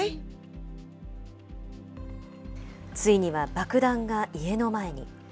ついには爆弾が家の前に。